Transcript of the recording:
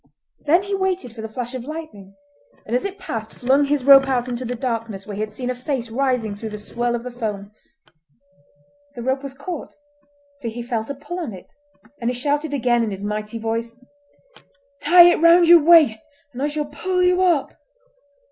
Then he waited for the flash of lightning, and as it passed flung his rope out into the darkness where he had seen a face rising through the swirl of the foam. The rope was caught, for he felt a pull on it, and he shouted again in his mighty voice: "Tie it round your waist, and I shall pull you up."